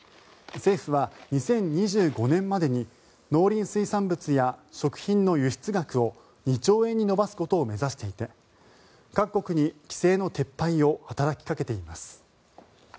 政府は、２０２５年までに農林水産物や食品の輸出額を２兆円に伸ばすことを目指していて各国に規制の撤廃を働きかけています。